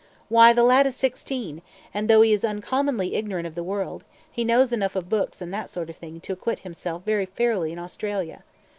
Why, the lad is sixteen, and though he is uncommonly ignorant of the world, he knows enough of books and that sort of thing to acquit himself very fairly in Australia.